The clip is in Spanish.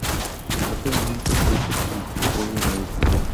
Rápidamente se hizo con el control de la isla.